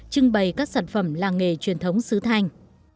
trưng bày các sản phẩm làng nghề truyền thống xứ thanh